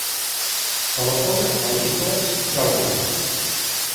Telefona a l'Ikhlas Jauregui.